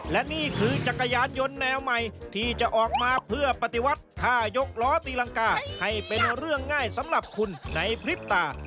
และนี่คือจักรยานยนต์แนวใหม่ที่จะออกมาเพื่อปฏิวัติถ้ายกล้อตีรังกาให้เป็นเรื่องง่ายสำหรับคุณในพริบตา